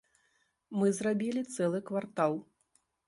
Мы зрабілі цэлы квартал.